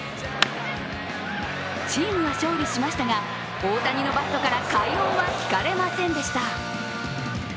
チームは勝利しましたが、大谷のバットから快音は聞かれませんでした。